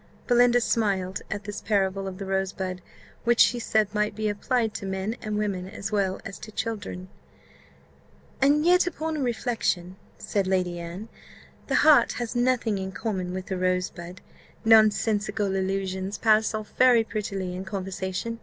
Belinda smiled at this parable of the rosebud, which, she said, might be applied to men and women, as well as to children. "And yet, upon reflection," said Lady Anne, "the heart has nothing in common with a rosebud. Nonsensical allusions pass off very prettily in conversation.